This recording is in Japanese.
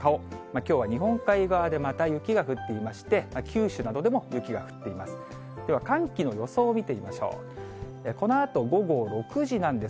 きょうは日本海側で、また雪が降っていまして、九州などでも雪が降っています。